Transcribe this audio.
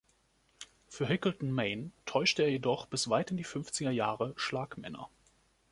Für Hickleton Main täuschte er jedoch bis weit in die Fünfziger Jahre Schlagmänner.